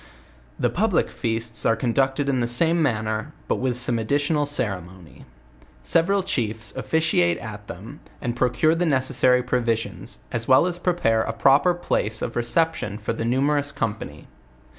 The public feasts are conducted in the same manner, but with some additioral ceremony. Several chiefs officiate at them, and procure the necessary provisions, as well as pre pare a proper place of reception for the numerous company.